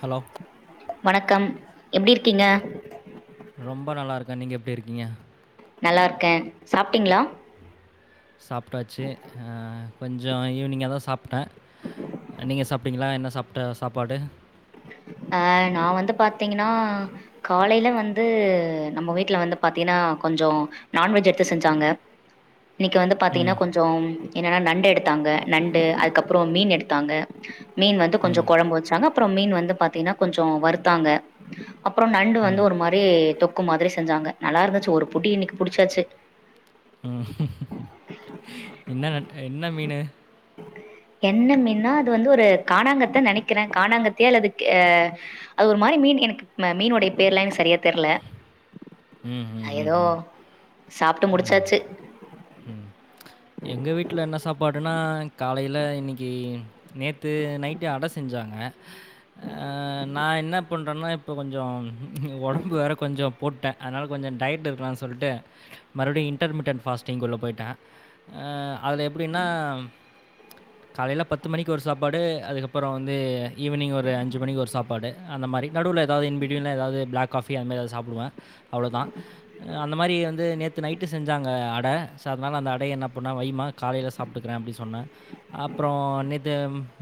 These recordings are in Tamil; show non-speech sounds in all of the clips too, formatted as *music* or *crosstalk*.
ஹலோ! வணக்கம் எப்படி இருக்கீங்க ரொம்ப நல்லா இருக்கேன் நீங்க எப்படி இருக்கீங்க நல்லா இருக்கேன் சாப்பிட்டிங்களா சாப்பிட்டாச்சு கொஞ்சம் ஈவினிங்காக தான் சாப்பிட்டேன் நீங்கள் சாப்பிங்களா என்ன சாப்பிட்ட சாப்பாடு அஹ் நான் வந்து பாத்தீங்கன்னா காலையில வந்து நம்ம வீட்டுல வந்து பாத்தீங்கன்னா கொஞ்சம் நான்வெஜ் எடுத்து செஞ்சாங்க இன்னைக்கு வந்து பாத்தீங்கன்னா ம், கொஞ்சம் என்னன்னா நண்டு எடுத்தாங்க நண்டு அதுக்கப்புறம் மீன் எடுத்தாங்க மீன் வந்து ம், கொஞ்சம் குழம்பு வச்சாங்க அப்புறம் மீன் வந்து பாத்தீங்கன்னா கொஞ்சம் வருத்தாங்க அப்புறம் நண்டு வந்து ம், ஒரு மாதிரி தொக்கு மாதிரி செஞ்சாங்க நல்லா இருந்துச்சு ஒரு புட்டி இன்னைக்கு புடிச்சாச்சு ம். என்ன நண்டு என்ன மீனு என்ன மீன் நா அது வந்து ஒரு கானாங்கத்தை நினைக்கிறேன் கானாங்கத்தையே அல்லது அஹ் அது ஒரு மாதிரி மீன் எனக்கு மீனு உடைய பேர் எல்லாம் எனக்கு சரியா தெரியல ம், ம், ம், ஏதோ ம். சாப்பிட்டு முடிச்சாச்சு ம். எங்க வீட்டுல என்ன சாப்பாடுன்னா காலையில இன்னைக்கு நேத்து நைட்டு அடை செஞ்சாங்க நான் என்ன பண்றேன்னா இப்போ கொஞ்சம் உடம்பு வேற கொஞ்சம் போட்டேன் அதனால கொஞ்சம் டயட் இருக்கலான்னு சொல்லிட்டு மறுபடியும் இன்டர்மீடியட் ஃபாஸ்ட்டிங் உள்ளே போயிட்டேன் அ அது எப்படின்னா காலையில பத்து மணிக்கு ஒரு சாப்பாடு அதுக்கப்புறம் வந்து ஈவினிங் ஒரு அஞ்சு மணிக்கு ஒரு சாப்பாடு அந்த மாதிரி நடுவில் ஏதாவது இன்பிடியலாம் ஏதாவது பிளாக் காஃபி அந்த மாதிரி ஏதாவது சாப்பிடுவேன் அவ்வளோதான் அந்த மாதிரி வந்து நேத்து நைட்டு செஞ்சாங்க *inaudible* அதனால அந்த அடைய என்ன பண்ண ஓரமா வயிமா காலையில் சாப்பிட்டுக்கிறேன் அப்படின்னு சொன்னேன் அப்புறம் நேற்று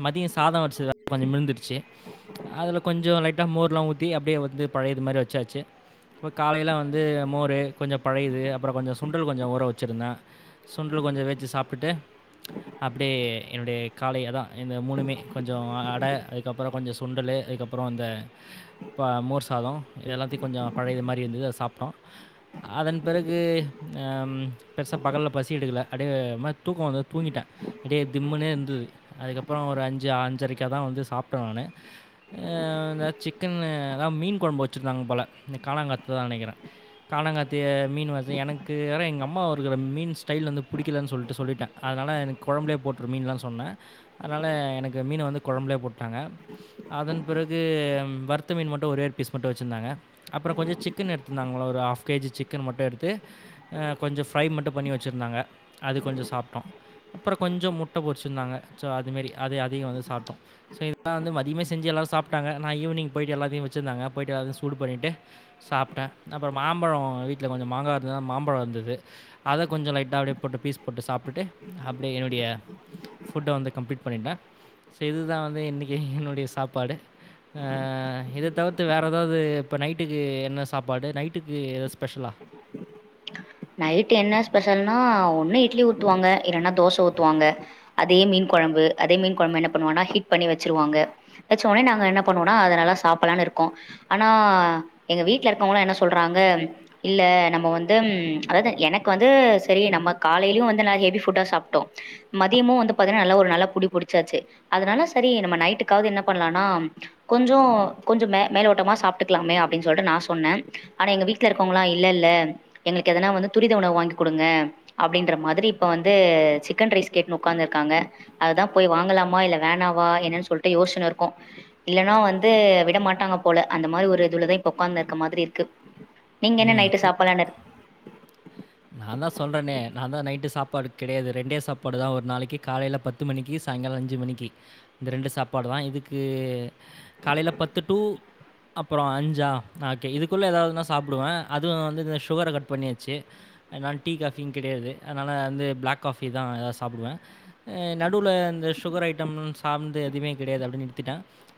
மதியம் சாதம் வரைச்சது கொஞ்சம் மிழுந்துடுச்சு அதில் கொஞ்சம் லைட்டாக மோர்லாம் ஊற்றி அப்படியே வந்து பழைய இது மாதிரி வச்சாச்சு இப்ப காலையெல்லாம் வந்து மோரு கொஞ்சம் பழையது அப்புறம் கொஞ்சம் சுண்டல் கொஞ்சம் ஊற வச்சு வெச்சிருந்த சுண்டல் கொஞ்சம் வச்சு சாப்பிட்டுட்டு அப்படியே என்னுடைய காலை அதான் இந்த மூணுமே கொஞ்சம் அடை அதுக்கப்புறம் கொஞ்சம் சுண்டல் அதுக்கப்புறம் இந்த மோர் சாதம் இத எல்லாத்தையும் கொஞ்சம் பழையது மாதிரி வந்துை சாப்பிட்டோம் அதன் பிறகு பெருசாக பகலில எடுக்கல அடே தூக்கம் வந்தது தூங்கிட்டே அடே திம்முனு இருந்தது அதுக்கப்புறம் ஒரு அஞ்சு அஞ்சரைக்க தான் வந்து சாப்பிட்டன் நானே சிக்கன் அதான் மீன் கொலம்பு வச்சிஇருந்தாங்க போல இந்த காானாங்காத்த தான் நினைக்கிறேன் காானாங்காத்திய மீன் வந்து எனக்கு வேற எங்கள் அம்மா வருக்கிற மீன் கைல ந்துப் பிடிக்கலன்னு சொல்லிடு சொல்லிட்டன் அதனால் எனக்கு குழம்புலையே போட்டுரு மீன்லாம் சொன்னேன் அதனால் எனக்கு மீனை வந்து குழம்புலே போட்டாங்க அதன் பிறகு வத்த மீன் மட்டும் ஒரவே பீஸ் மட்டும் வெச்சிருந்தாங்க அப்புறம் கொஞ்சம் சிக்கன் எடுத்தந்தாங்கள ஒரு ஆஃப் கேஜி சிக்கன் மட்டும் எடு கொஞ்சம் ஃரை மட்டும் பண்ணி அது கொஞ்சம் சாப்டோம் அப்புறம் கொஞ்சம் முட்ட பொறுச்சிருந்தாங்க சோ அதுமாரி அது அதையு சாப்டோ சோ இதலா மதியமா செஞ்சு எல்லாரு சாப்டாங்க நா ஈவினிங் போயிட்டு எல்லாத்த வச்சுருந்தா போயிட்டு எல்லாத்தையு சூடு பண்ணிட்டு சாப்டே அப்புறோ மாம்பழோ வீட்ல கொஞ்சோ மாங்கா இருந்தது மாம்பழோ இருந்தது கொஞ்சோ லைட்டாக அப்டியே போட்டு பீஸ் போட்டு சாப்பிட்டுட்டு அப்டியே என்னுடைய ஃபுட்ட வந்து கம்ப்ளீட் பண்ணிட்டே சோ இதுதா வந்து இன்னைக்கி என்னுடைய சாப்பாடு இத தவிர்த்து வேற எதாவது இப்ப நைட்டுக்கு என்ன சாப்பாடு நைட்டுக்கு ஸ்பெஷலா? நைட் என்ன ஸ்பெஷல்னா ஒன்னு இட்லி ஊத்துவாங்க இல்லன்னா தோச ஊத்துவாங்க அதே மீன் குழம்பு அதே மீன் குழம்பு என்ன பண்ணுவோன்னா ஹிட் பண்ணி வெச்சிருவாங்க வெச்ச ஒட்னே நாங்க என்ன பண்ணுவோம்னா அத நல்லா சாப்புட்லான்னு இருக்கோ ஆனா எங்க வீட்டுல இருக்கவங்கள்லா என்ன சொல்றாங்க இல்ல நம்ம வந்து ம் அதாவது எனக்கு வந்து செரி நம்ம காலையிலயு வந்து நல்ல ஹெவி ஃபுட்டா சாப்டோ மதியமு வந்து பாத்தீங்கன்னா நல்லா ஒரு நல்லா புடி புடிச்சாச்சு அதனால சேரி நம்ம நைட்டுக்காவது என்ன பண்ணலாம்னா கொஞ்சோ கொஞ்சோ மே மேலோட்டமா சாப்டுக்கலாமே அப்டின்னு சொல்டு நா சொன்னே ஆனா எங்க வீட்டல இருக்க இருக்கவங்கல்லா இல்லல்ல எங்களுக்கு எதனா வந்து துரித உணவு வாங்கி குடுங்க அப்டின்ற மாரி இப்ப வந்து சிக்கன் ரைஸ் கேட்டு ஒட்காந்து இருக்காங்க அததான் போய் வாங்கலாமா இல்ல வேணாவா என்னன்னு சொல்லிட்டு யோச்சினு இருக்கோ இல்லனா வந்து விட மாட்டாங்க போல அந்த மாதிரி ஒரு இதுவுலதா இப்ப ஒக்காந்துனு இருக்க மாதிரி இருக்கு நீங்க என்ன ம். நைட்டு சாப்பல்லானு நா தா சொல்றனே நா தா நைட்டு சாப்பாடு கெடையாது ரெண்டே சாப்பாடு தா ஒரு நாளைக்கு காலையில பத்து மணிக்கு சாயங்காலோ அஞ்சு மணிக்கு இந்த ரெண்டு சாப்பாடு தா இதுக்கு காலையில பத்து டூ அப்புறோ அஞ்சா ஓகே இதுக்குள்ளே ஏதாவதுன்னா சாப்புடுவே அதுவு வந்து இந்த சுகர கட் பண்ணியாச்சு அதனால டீ காஃபியு கெடையாது அதனால வந்து பிளாக் காஃபி தா எதாவது சாப்புடுவே நடுவுல இந்த சுகர் ஐட்டம் சாப்பந்து எதுமே கெடையாது அப்டியே நிறுத்திட்டே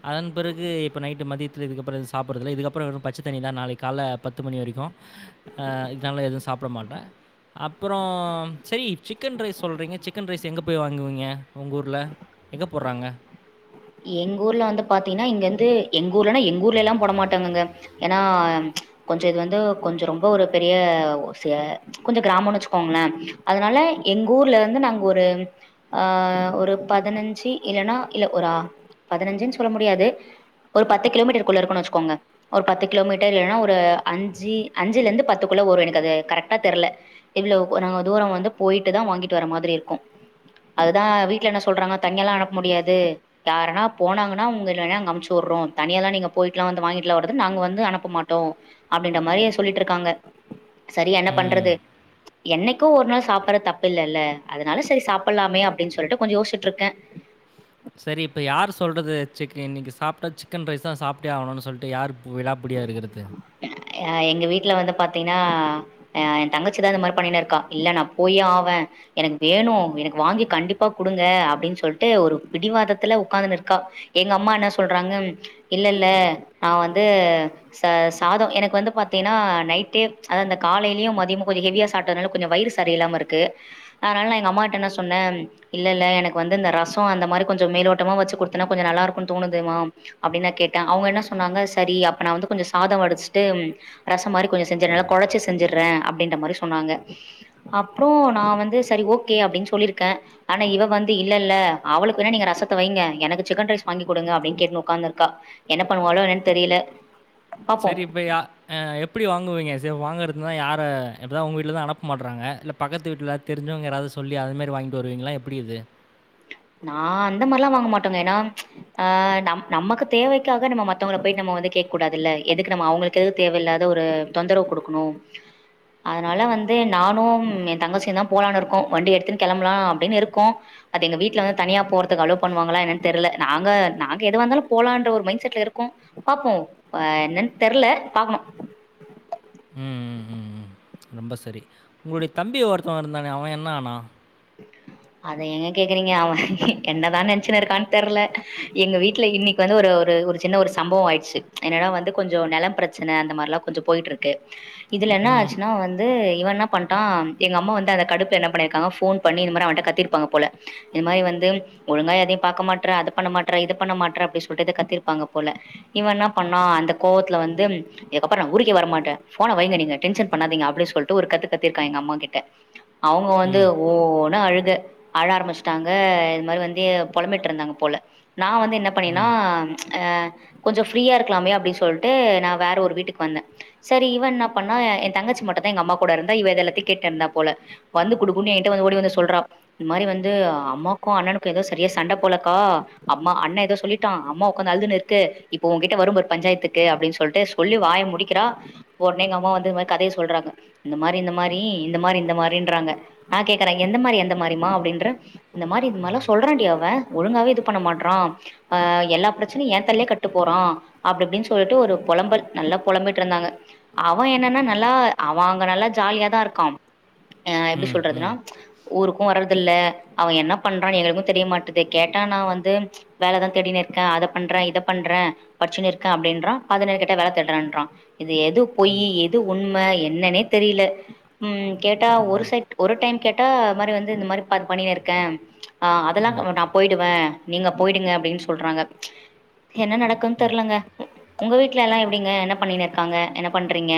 அதன் பிறகு இப்போ நைட்டு மதியத்தில இதுக்கப்புறோ சாப்புட்றது இல்ல இதுக்கப்புறோ வெறும் பச்ச தண்ணி தா நாளைக் காலையில பத்து மணி வரைக்கோ ஆஹ் இதனாலா எதுவு சாப்ட மாட்டே அப்புறோ செரி சிக்கன் ரைஸ் சொல்றீங்க சிக்கன் ரைஸ் எங்க போய் வாங்குவிங் வாங்குவீங்க உங்க ஊர்ல எங்க போட்றாங்க எங்க ஊர்ல வந்து பாத்தீங்கன்னா இங்கந்து எங்க ஊர்லன்னா எங்க ஊர்ல எல்லா போட மாட்டாங்கங்க ஏன்னா கொஞ்சோ இது வந்து கொஞ்சோ ரொம்ப ஒரு பெரிய கொஞ்சோ கிராமனு வெச்சுக்கோங்களே அதனால எங்க ஊர்ல வந்து நாங்க ஒரு ஆஹ் ஒரு பதினஞ்சு இல்லன்னா இல்ல ஒரு பதினஞ்சுன்னு சொல்ல முடியாது ஒரு பத்து கிலோமீட்டருக்குள்ள இருக்கோன்னு வெச்சுக்கோங்க ஒரு பத்து கிலோமீட்டர் இல்லைன்னா ஒரு அஞ்சு அஞ்சுல இருந்து பத்துக்குள்ள வரோ அது எனக்கு அது கரெக்டா தெரியல இவ்ளோ நாங்க தூரோ வந்து போயிட்டு தா வாங்கிட்டு வர மாரி இருக்கும் அதுதா வீட்டுல என்ன சொல்றாங்க தனியால்லா அனுப்ப முடியாது யார்னா போனாங்கன்னா உங்க இல்ல அங்க அம்சிவுட்றோ தனியால்லா நீங்க போயிட்டுல்லா வந்து வாங்கிட்டுலா வர்றதுன்னா நாங்க வந்து அனுப்ப மாட்டோ அப்டின்ற மாரி சொல்லிட்டு இருக்காங்க சரி என்ன ம். பண்றது என்னைக்கோ ஒரு நாள் சாப்புட்டுறது தப்பு இல்லல்ல அதனால சேரி சாப்புட்லாமே அப்டின்னு சொல்லிட்டு கொஞ்சோ யோசிட்டு இருக்கே சரி இப்ப யார் சொல்றது சிக்கன் இன்னைக்கு சாப்டா சிக்கன் ரைஸ்தா சாப்டே ஆகணும்னு சொல்லிட்டு யார் விடாப்புடியா இருக்கறது அஹ எங்க வீட்டுல வந்து பாத்தீங்கன்னா அஹ என் தங்கச்சிதா இந்த மாரி பண்ணினு இருக்கா இல்ல நா போயே ஆவே எனக்கு வேணு எனக்கு வாங்கி கண்டிப்பா குடுங்க அப்டின் சொல்லிட்டு ஒரு பிடிவாதத்துல ஒட்காந்துனு இருக்கா எங்க அம்மா என்ன சொல்றாங்க இல்லல்ல நா வந்து ச சாதோ எனக்கு பாத்தினா நைட்டே அத்தா அந்த காலையிலயு மதியமு கொஞ்சோ ஹெவியா சாப்டனாலல கொஞ்சோ வயிறு சரியில்லாம இருக்கு அதனால நா எங்க அம்மாகிட்ட சொன்னே இல்லல்ல எனக்கு வந்து இந்த ரசோ அந்த மாரி கொஞ்சோ மேலோட்டமா வச்சு கொடுத்தினா கொஞ்சோ நல்லா இருக்குன்னு தோணுது மா அப்டின்னு நா கேட்ட அவுங்க என்ன சொன்னாங்க சரி அப் அப்ப நா வந்து கொஞ்சோ சாதோ வடிச்சுட்டு ரசம் மாரி கொஞ்சோ செஞ்சட்ற நல்லா கொழச்சி செஞ்சுட்றே அப்டின்ற மாரி சொன்னாங்க அப்புறோ நா வந்து சரி ஓகே அப்டின்னு சொல்லியிருக்கே ஆனா இவ வந்து இல்ல இல்ல அவளுக்கு வேனா நீங்க ரசத்த வைங்க எனக்கு சிக்கன் ரைஸ் வாங்கி கொடுங்க அப்டின்னு கேட்டு ஒக்காந்து இருக்கா என்ன பண்ணுவாலோ என்னன்னு தெரியல பாப்போ செரி இப்ப யா ஆஹ் எப்டி வாங்குவீங்க சரி வாங்கறது னு யார இப்பத உங்க வீட்லதா அனுப்ப மாட்றாங்க இல்ல பக்கத்து வீட்ல தெரிஞ்சவங்க யாராவது சொல்லி அது மேரி வாங்கிட்டு வருவீங்களா எப்டி இது நா அந்த மாரிலா வாங்க மாட்டோங்க ஏன்னா ஆஹ் நம் நமக்கு தேவைக்காக நம்ம மத்தவங்கள போயிட்டு நம்ம வந்து கேக் கூடாதுல எதுக்கு நம்ம அவுங்களுக்கு தேவையில்லாத ஒரு தொந்தரவு குடுக்கணு அதனால வந்து நானும் என் தங்கச்சியு தா போலான்னு இருக்கோம் வண்டி எடுத்துன்னு கெளம்பலான் அப்டின்னு இருக்கோம் அது எங்க வீட்டுல வந்து தனியா போறதுக்கு அளோ பண்ணுவாங்களா என்னன்னு தெரில நாங்க நாங்க எதுவா இருந்தாலு போலான்ற ஒரு மைண்ட் செட்ல இருக்கோம் பாப்போம் ஆஹ் என்னன்னு தெர்ல பாக்கணு ம், ம், ம், ம். ரொம்ப சரி உங்களுடைய தம்பி ஒருத்தவன் இருந்தானே அவன் என்ன ஆனா அத ஏங்க கேக்குறீங்க அவே என்னதா நெனச்சின்னு இருக்கான்னு தெர்ல எங்க வீட்டுல இன்னைக்கு வந்து ஒரு ஒரு ஒரு சின்ன ஒரு சம்பவோ ஆயிடுச்சு என்னடா வந்து கொஞ்ச நெலம் பிரச்சன அந்த மாரிலாம் கொஞ்சம் போயிட்டு இருக்கு இதுல என்ன ம், ஆச்சுன்னா வந்து இவன் என்னா பண்ட்டா எங்க அம்மா வந்து அந்த கடுப்புல என்ன பண்ணியிருக்காங்க ஃபோன் பண்ணி இந்த மாரி கத்திருப்பாங்க போல இந்த மாரி வந்து ஒழுங்கா எதையும் பாக்க மாற்ற அத பண்ண மாற்ற இத பண்ண மாற்ற அப்டி சொல்டு எதோ கத்திருப்பாங்க போல இவன் என்ன பண்ணா அந்த கோவத்துல வந்து இதுக்கப்புறோ நா ஊருக்கே வரமாட்டே ஃபோன வைங்க நீங்க டென்ஷன் பண்ணாதீங்க அப்டின் சொல்டு ஒரு கத்து கத்தி இருக்கா எங்க அம்மாகிட்ட அவுங்க வந்து ம், ஓனு அழுக அழ ஆரம்பிச்சுட்டாங்க இது மாரி வந்து பொலம்பிட்டு இருந்தாங்க போல நா வந்து என்ன பண்ணேனா ம், ஆஹ் கொஞ்சோ ஃப்ரீயா இருக்கலாமே அப்டி சொல்லிட்டு நா வேற ஒரு வீட்டுக்கு வந்தே சரி இவே என்ன பண்ணா என் தங்கச்சி மட்டுதா எங்க அம்மா கூட இருந்தா இவ இத எல்லாத்தையு கேட்டு இருந்தா போல வந்து குடு குடு குடுனு என்கிட்ட வந்து ஓடி வந்து சொல்றா இந்த மாரி வந்து அம்மாக்கோ அண்ணனுக்கோ ஏதோ சரியா சண்ட போலக்கா அம்மா அண்ணே ஏதோ சொல்லிட்டா அம்மா ஒக்காந்து அழுதுன்னு இருக்கு இப்ப ஓன்கிட்ட வரும் பாரு பஞ்சாயத்துக்கு அப்டின்னு சொல்லிட்டு சொல்லி வாய முடிக்கிறா ஒடனே எங்க அம்மா வந்து இந்த மாரி கதையா சொல்றாங்க இந்த மாரி இந்த மாரி இந்த மாரி இந்த மாரின்றாங்க நா கேக்கற எந்த மாரி எந்த மாரிமா அப்டின்ற இந்த மாரி இது மாரிலாம் சொல்றான்டி அவே ஒழுங்காவே இது பண்ண மாற்றா ஆஹ் எல்லா பிரச்சனையு எயாத்தல்லே கட்டு போறா அப்டிஅப்டின்னு சொல்ட்டு ஒரு பொலம்பல் நல்லா பொலம்பிட்டு இருந்தாங்க அவே என்னன்னா நல்லா அவே அங்க நல்லா ஜாலியாதா இருக்கான் உஹம் பாத்தினா ஊருக்கோ வர்றதில்ல அவே என்னா பண்றா எங்களுக்கும் தெரிய மாட்டது கேட்டா நா வந்து வேலதா தேடினு இருக்கே அத பண்றே இத பண்றே படிச்சுனு இருக்கே அப்டின்றா பதினேறு கேட்டா வேல தேட்ற இன்றா இது எது பொய் எது உண்ம என்னன்னே தெரில உம் கேட்டா ஒரு சைட் ஒரு டைம் கேட்டா மாரி வந்து இந்த மாரி பாத் பண்ணினு இருக்கே ஆஹ் அதெல்லா நா போயிடுவே நீங்க போயிடுங்க அப்டின்னு சொல்றாங்க என்ன நடக்கும் தெர்லங்க உங்க வீட்ல எல்லாம் எப்டிங்க என்ன பண்ணினு இருக்காங்க என்ன பண்றீங்க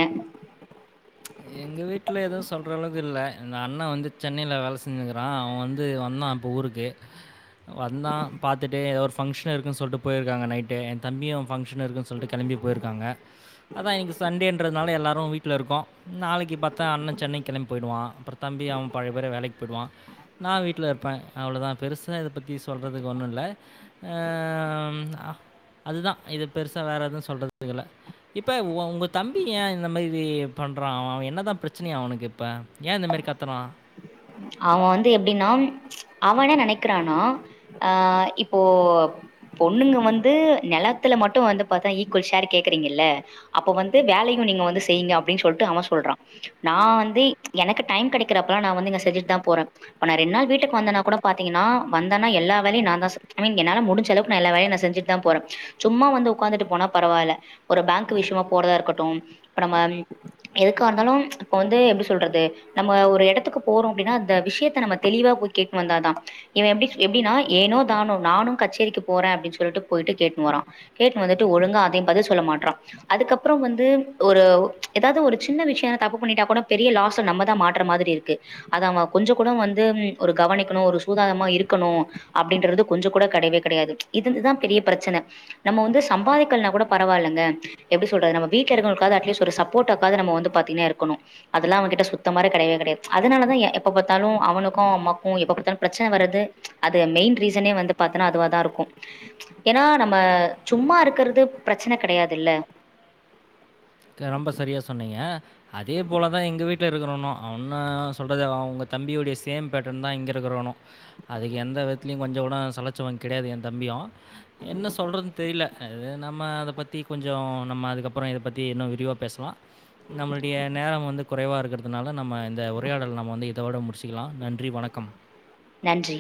எங்க வீட்ல எதுவும் சொல்ற அளவுக்கு இல்ல என் அண்ணன் வந்து சென்னையில வேல செஞ்சுனுக்கிறான் அவன் வந்து வந்தான் இப்போ ஊருக்கு வந்தான் பாத்துட்டு ஏதோ ஒரு ஃபங்க்ஷன் இருக்குன்னு சொல்ட்டு போயிருக்காங்க நைட்டு என் தம்பியும் ஃபங்க்ஷன்னு இருக்குன்னு சொல்ட்டு கெளம்பி போயிருக்காங்க அதான் இன்னைக்கு சண்டேயின்றதுனால எல்லாரும் வீட்ல இருக்கோம் நாளைக்கு பாத்தா அண்ணன் சென்னைக்கு கெளம்பி போயி்டுவான் அப்புறம் தம்பி அவன் பழைய பேர வேலைக்கு போயி்டுவான் நான் வீட்ல இருப்பன் அவ்ளோதான் பெருசா இத பத்தி சொல்றதுக்கு ஒன்னும் இல்ல ஆஹ் அதுதான் இது பெருசா வேற எதுவும் சொல்றதுக்கு இல்ல இப்ப ஓ ஒங்க தம்பி ஏன் இந்த மாரி பண்றான் அவன் அவன் என்ன தான் பிரச்சனையா அவனுக்கு இப்ப ஏன் இந்த மாரி கத்துறான்? அவன் வந்து எப்டின்னா அவனே நெனைக்கிறானா அஆஹ் இப்போ பொண்ணுங்க வந்து நெலத்துல மட்டும் வந்து பாத்தா ஈக்குவல் ஷேர் கேக்கறீங்க இல்ல அப்ப வந்து வேலையும் நீங்க வந்து செய்யுங்க அப்டின் சொல்ட்டு அவன் சொல்றான் நான் வந்து எனக்கு டைம் கெடைக்கிறப்பல்லாம் நான் வந்து இங்க செஞ்சுட்டு தான் போறன் இப்ப நான் ரெண்டு நாள் வீட்டுக்கு வந்தன்னா கூட பாத்தீங்கன்னா வந்தன்னா எல்லா வேலையும் நான் தான் ஐ மீன் என்னால முடிஞ்ச அளவுக்கு நான் எல்லா வேலையும் நான் செஞ்சுட்டு தான் போறேன் சும்மா வந்து உக்காந்துட்டு போனா பரவாயில்ல ஒரு பேங்க் விஷிமா போறதா இருக்கட்டும் இப்ப நம்ம எதுக்கா இருந்தாலும் இப்ப வந்து எப்டி சொல்றது நம்ம ஒரு எடத்துக்கு போறோம் அப்டின்னா அந்த விஷியத்த நம்ம தெளிவா போய் கேட்னு வந்தா தான் இவன் எப்டி எப்டின்னா ஏனோ தானோ நானும் கச்சேரிக்கு போறன் அப்டின்னு சொல்ட்டு போயிட்டு கேட்டுனு வரான் கேட்டுனு வந்துட்டு ஒழுங்கா அதையும் பதில் சொல்ல மாற்றான் அதுக்கப்புறம் வந்து ஒரு எதாவது ஒரு சின்ன விஷியம் தப்பு பண்ணிட்டா கூட பெரிய லாஸ்ஸு நம்மதான் மாற்ற மாதிரி இருக்கு அத அவன் கொஞ்சம் கூட வந்து ஒரு கவனிக்கணும் ஒரு சூதானமா இருக்கணும் அப்டின்றது கொஞ்சம் கூட கெடையவே கெடையாது இது இதுதான் பெரிய பிரச்சன நம்ம வந்து சம்பாதிக்கல்னா கூட பரவாயில்லங்க எப்டி சொல்றது நம்ம வீட்டுல இருங்களுக்காவது அட்லீஸ்ட் ஒரு சப்போட்டாக்காவது நம்ம வந்து பாத்துகின்னே இருக்கணும் அதெல்லாம் அவன்கிட்ட சுத்தமாரே கெடையவே கெடையாது அதனாலதான் எ எப்ப பாத்தாலும் அவனுக்கும் அம்மாக்கும் எப்ப பாத்தாலும் பிரச்சன வரது அது மெயின் ரீசனே வந்து பாத்தன்னா அதுவா தான் இருக்கும் ஏன்னா நம்ம சும்மா இருக்கிறது பிரச்சன கெடையாது இல்ல க ரொம்ப சரியா சொன்னீங்க. அதே போல தான் எங்க வீட்டுல இருக்கிறவனும் அவன் இன்னா சொல்றது அவன் உங்க தம்பியுடைய சேம் பேட்டன் தான் இங்க இருக்கிறவணும் அதுக்கு எந்த விதத்துலயும் கொஞ்சம் கூட சளச்சவன் கெடையாது என் தம்பியும் என்ன சொல்றதுன்னு தெரில அது நம்ம அத பத்தி கொஞ்சம் நம்ம அதுக்கப்புறம் இத பத்தி தி இன்னும் விரிவா பேசலாம் நம்மளுடைய நேரம் வந்து குறைவா இருக்கறதுனால நம்ம இந்த உரையாடல் நம்ம வந்து இத ஓட முடிச்சுக்கலாம் நன்றி வணக்கம் நன்றி